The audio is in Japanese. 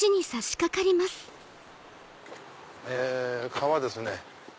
川ですね。